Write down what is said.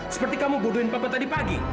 seperti kamu bodohin papa tadi pagi